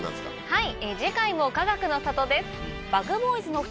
はい。